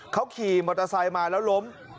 เขาขี่มอเตอร์ไซค์มาแล้วล้ม